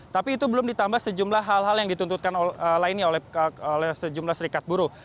tapi itu belum ditambah sejumlah hal hal yang dituntutkan lainnya oleh sejumlah serikat buruh